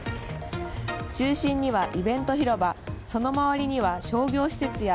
中心にはイベント広場その周りには商業施設や